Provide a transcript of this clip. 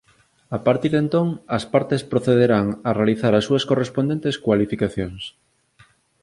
A partir de entón as partes procederán a realizar as súas correspondentes cualificacións.